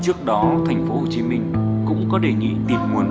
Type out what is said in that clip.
trước đó thành phố hồ chí minh cũng có đề nghị tìm nguồn vaccine để trẻ có thể đến trường